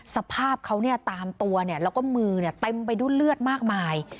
สภาพเขาเนี่ยตามตัวเนี่ยแล้วก็มือเนี่ยเต็มไปด้วยเลือดมากมาย